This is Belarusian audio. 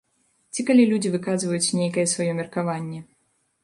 Ці калі людзі выказваюць нейкае сваё меркаванне.